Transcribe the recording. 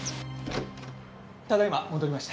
ただいま戻りました。